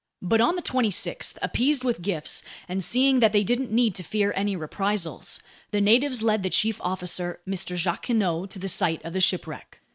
But on the 26th, appeased with gifts and seeing that they didn't need to fear any reprisals, the natives led the chief officer, Mr. Jacquinot, to the site of the shipwreck.